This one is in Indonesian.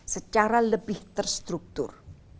secara lebih terstruktur